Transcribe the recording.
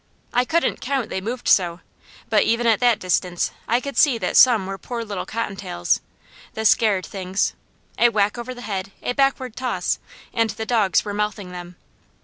I couldn't count they moved so, but even at that distance I could see that some were poor little cotton tails. The scared things! A whack over the head, a backward toss, and the dogs were mouthing them.